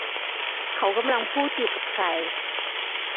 เขากำลังพูดอยู่กับใคร